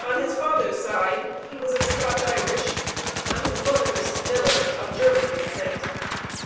On his father's side, he was of Scotch Irish, on his mother's (Miller) of German descent.